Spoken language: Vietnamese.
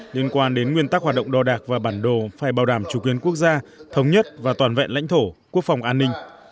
liên quan đến nguyên tắc hoạt động đo đạc và bản đồ phải bảo đảm chủ quyền quốc gia thống nhất và toàn vẹn lãnh thổ quốc phòng an ninh